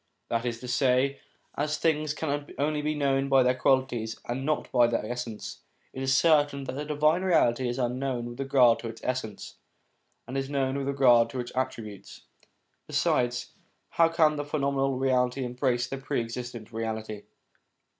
That is to say, as things can only be known by their qualities and not by their essence, it is certain that the Divine Reality is unknown with regard to its essence, and is known with regard to its attributes. Besides, how can the phenomenal reality embrace the Pre existent Reality